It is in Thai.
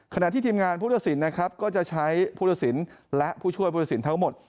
ขณะที่ทีมงานผู้ยักษีนะครับก็จะใช้ผู้ยักษีและผู้ช่วยผู้ยักษีทั้งหมด